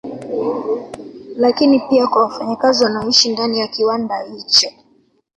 Lakini pia kwa wafanyakazi wanaoishi ndani ya kiwanda hicho